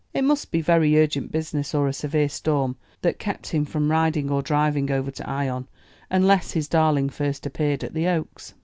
It must be very urgent business, or a severe storm, that kept him from riding or driving over to Ion, unless his darling first appeared at the Oaks.